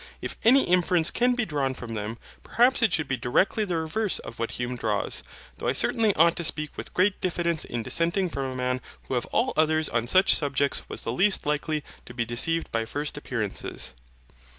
If any inference can be drawn from them, perhaps it should be directly the reverse of what Hume draws, though I certainly ought to speak with great diffidence in dissenting from a man who of all others on such subjects was the least likely to be deceived by first appearances.